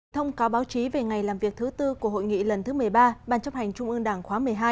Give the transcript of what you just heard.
thông cáo báo chí về ngày làm việc thứ tư của hội nghị lần thứ một mươi ba ban chấp hành trung ương đảng khóa một mươi hai